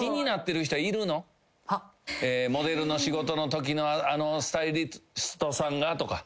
モデルの仕事のときのあのスタイリストさんがとか。